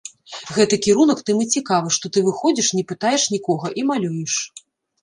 Гэты кірунак тым і цікавы, што ты выходзіш, не пытаеш нікога, і малюеш.